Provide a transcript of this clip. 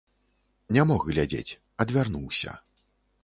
Не мог глядзець, адвярнуўся.